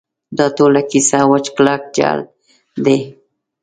دا ټوله کیسه وچ کلک جعل دی.